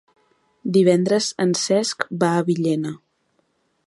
Divendres en Cesc va a Villena.